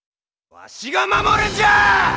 わしが守るんじゃあ！